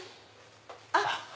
あっ。